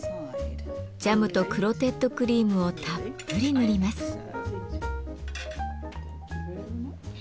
ジャムとクロテッドクリームをたっぷり塗ります。